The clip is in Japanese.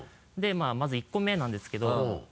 でまぁまず１個目なんですけど。